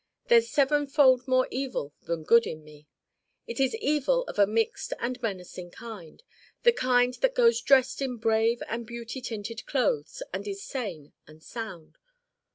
There's sevenfold more evil than good in me. It is evil of a mixed and menacing kind, the kind that goes dressed in brave and beauty tinted clothes and is sane and sound.